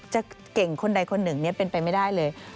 จะเก่งคนใดคนหนึ่งเป็นไปไม่ได้เลย